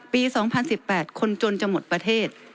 ๒๐๑๘คนจนจะหมดประเทศ